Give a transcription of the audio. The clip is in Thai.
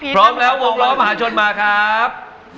พร้อมแล้ววงล้อมหาชนมาครับ